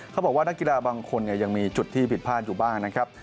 เขาบอกว่านักกีฬาบางคนยังมีจุดที่ผิดพลาดอยู่บ้างนะครับ